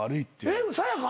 えっさや香？